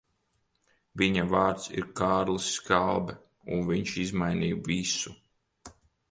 Viņa vārds ir Kārlis Skalbe, un viņš izmainīja visu.